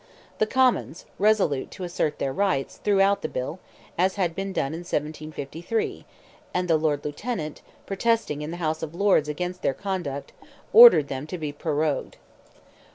The Commons, resolute to assert their rights, threw out the bill, as had been done in 1753, and the Lord Lieutenant, protesting in the House of Lords against their conduct, ordered them to be prorogued.